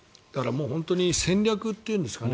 だから戦略というんですかね